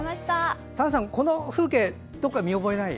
丹さん、この風景どこか見覚えない？